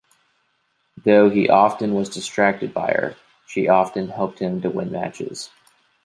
Though he often was distracted by her, she often helped him to win matches.